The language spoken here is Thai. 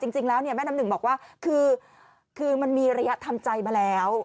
จริงแล้วเนี่ยแม่น้ำหนึ่งบอกว่าคือมันมีระยะทำใจมาแล้ว